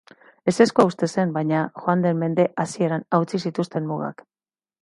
Ezezkoa uste zen baina joan den mende hasieran hautsi zituzten mugak.